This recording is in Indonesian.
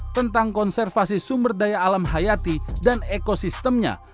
tentang konservasi sumber daya alam hayati dan ekosistemnya